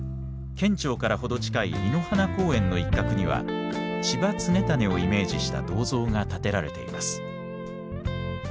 県庁から程近い亥鼻公園の一角には千葉常胤をイメージした銅像が建てられています。